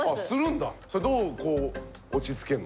それどう落ち着けんの？